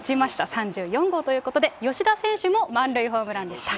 ３４号ということで、吉田選手も満塁ホームランでした。